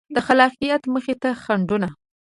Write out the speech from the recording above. د خلاقیت مخې ته خنډونه